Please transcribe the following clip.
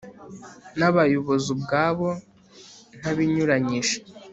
n abayobozi ubwabo nta binyuranyije